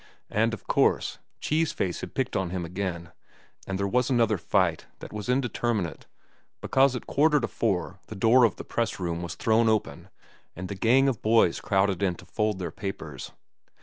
And, of course, Cheese Face had picked on him again, and there was another fight that was indeterminate, because at quarter to four the door of the press room was thrown open and the gang of boys crowded in to fold their papers.